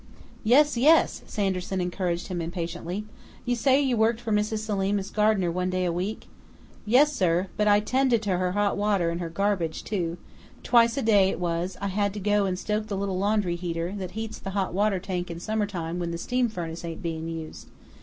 "Yes, yes!" Sanderson encouraged him impatiently. "You say you worked for Mrs. Selim as gardener one day a week " "Yes, sir, but I 'tended to her hot water and her garbage, too twice a day it was I had to go and stoke the little laundry heater that heats the hot water tank in summertime when the steam furnace ain't being used.